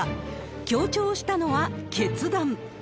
強調したのは決断。